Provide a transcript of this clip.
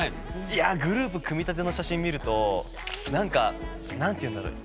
いやグループ組みたての写真見るとなんか何て言うんだろう。